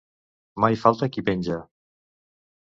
Mai falta qui penja.